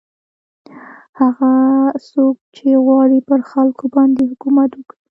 هغه څوک چې غواړي پر خلکو باندې حکومت وکړي.